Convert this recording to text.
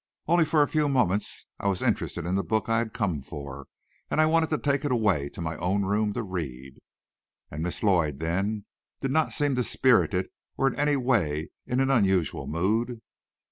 "Only for a few moments. I was interested in the book I had come for, and I wanted to take it away to my own room to read." "And Miss Lloyd, then, did not seem dispirited or in any way in an unusual mood?"